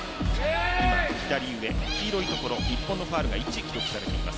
今、左上、黄色いところ日本のファウルが１と記録されています。